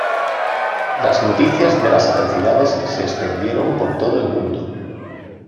Las noticias de las atrocidades se extendieron por todo el mundo.